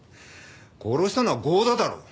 殺したのは剛田だろう？